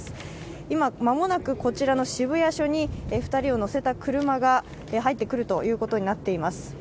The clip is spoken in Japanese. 今、間もなくこちらの渋谷署に２人を乗せた車が入ってくるということになっています。